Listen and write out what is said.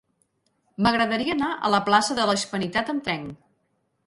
M'agradaria anar a la plaça de la Hispanitat amb tren.